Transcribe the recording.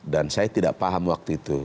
dan saya tidak paham waktu itu